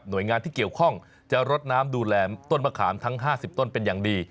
โดยงานที่เกี่ยวข้องจะรดน้ำดูแลต้นมะขามทั้ง๕๐ต้นเป็นอย่างดี